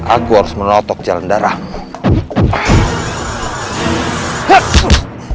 aku harus menotok jalan darahmu